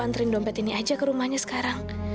antri dompet ini aja ke rumahnya sekarang